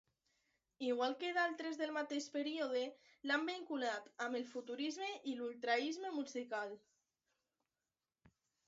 Igual que d'altres del mateix període, l'han vinculat amb el futurisme i l'ultraisme musical.